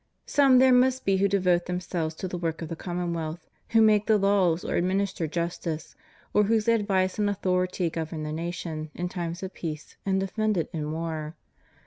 Some there must be who devote themselves to the work of the commonwealth, who make the laws or administer justice, or whose advice and authority govern the nation in times of peace and defend it in war.